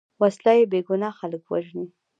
وسله بېګناه خلک وژلي